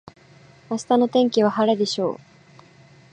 明日の天気は晴れでしょう。